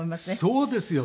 そうですよね。